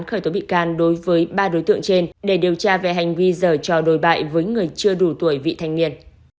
khởi tố bị can đối với ba đối tượng trên để điều tra về hành vi dở cho đối bại với người chưa đủ tuổi vị thanh niên